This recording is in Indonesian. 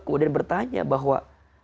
kemudian bertanya bahwa